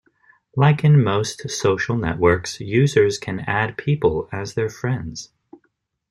Like in most social networks, users can add people as their friends.